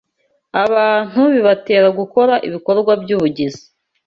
abantu bibatera gukora ibikorwa by’ubugizi